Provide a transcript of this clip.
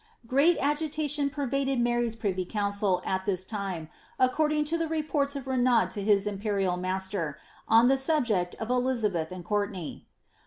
^ Great agitation pervaded Mary's privy council at this time, according to the reports of Renaud to his imperial master, on the subject of Elizabeth and Courtenay.